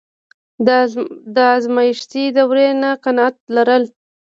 د ازمایښتي دورې نه قناعت لرل.